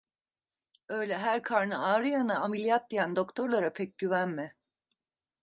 Öyle her karnı ağrıyana ameliyat diyen doktorlara pek güvenme.